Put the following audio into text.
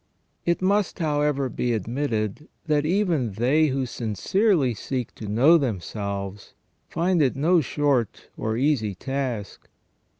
It must, however, be admitted that even they who sincerely seek to know themselves find it no short or easy task.